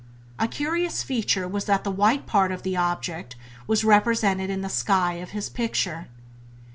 A curious feature was that the white part of that object was represented in the sky of his picture.